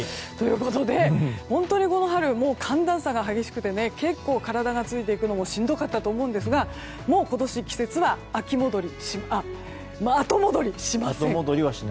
ということで、本当にこの春もう寒暖差が激しくて結構、体がついていくのもしんどかったと思いますが今年、季節は後戻りしません。